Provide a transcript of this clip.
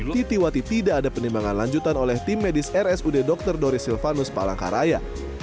titiwati tidak ada penimbangan lanjutan oleh tim medis rsud dr doris silvanus palangkaraya